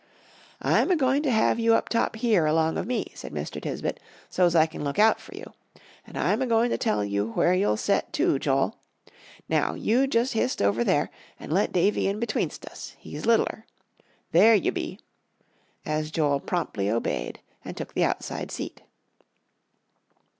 "I'm a goin' to have you up top here, along of me," said Mr. Tisbett, "so's I can look out for you. And I'm a goin' to tell where you'll set, too, Joel. Now, you just hist over there, and let Davie in betweenst us; he's littler. There you be," as Joel promptly obeyed and took the outside seat.